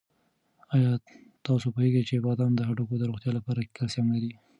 آیا تاسو پوهېږئ چې بادام د هډوکو د روغتیا لپاره کلسیم لري؟